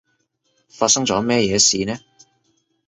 發生咗咩嘢事呢？